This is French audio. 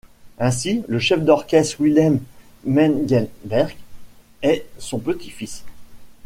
Ainsi le chef d'orchestre Willem Mengelberg est son petit-fils.